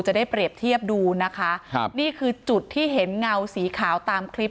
จะได้เปรียบเทียบดูนะคะครับนี่คือจุดที่เห็นเงาสีขาวตามคลิป